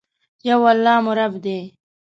یو الله مو رب دي.